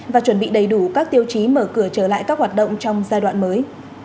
và chuẩn bị đầy đủ các tiêu chí mở cửa trở lại các hoạt động trong giai đoạn mới